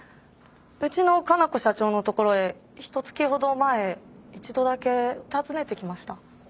うちの香奈子社長のところへひと月ほど前一度だけ訪ねてきました。